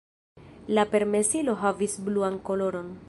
La permesilo havis bluan koloron.